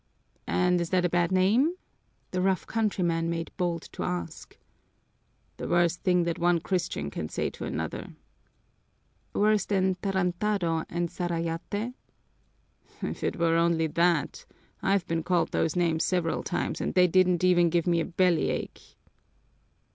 "And is that a bad name?" the rough countryman made bold to ask. "The worst thing that one Christian can say to another!" "Worse than tarantado and sarayate?" "If it were only that! I've been called those names several times and they didn't even give me a bellyache."